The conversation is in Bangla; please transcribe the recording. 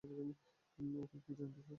ওকে, কী জানতে চাও?